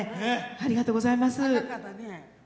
ありがとうございます。